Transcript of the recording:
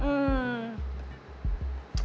อืม